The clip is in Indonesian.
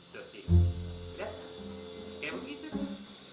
kayak begitu tuh